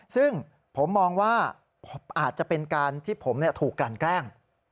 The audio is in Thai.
ซึ่งผมมองว่าอาจจะเป็นการที่ผมถูกกลั่นแกล้ง